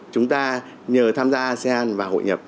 chúng ta nhờ tham gia asean và hội nhập